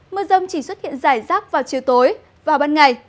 mưa rông chỉ xuất hiện dài rác vào chiều tối vào ban ngày